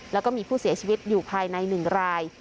แล้วก็มีผู้เสียชีวิตอยู่ภายใน๑ราย